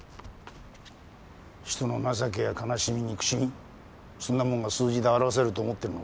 人の情けや悲しみ憎しみそんなもんが数字で表せると思ってるのか？